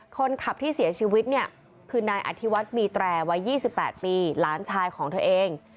คนขับที่เสียชีวิตเนี่ยคือนายอธิวัฒน์มีแตรวัย๒๘ปีหลานชายของเธอเอง